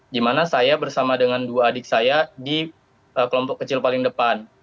di mana saya bersama dengan dua adik saya di kelompok kecil paling depan